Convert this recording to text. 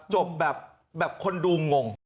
จบแบบคนดูงง